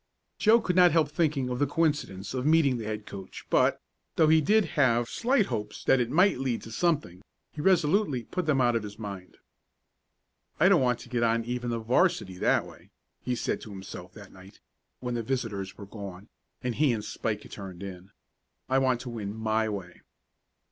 Joe could not help thinking of the coincidence of meeting the head coach but, though he did have slight hopes that it might lead to something, he resolutely put them out of his mind. "I don't want to get on even the 'varsity that way!" he said to himself that night, when the visitors were gone, and he and Spike had turned in. "I want to win my way."